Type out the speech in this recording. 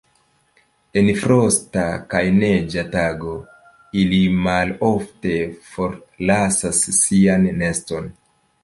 En frosta kaj neĝa tago ili malofte forlasas sian neston.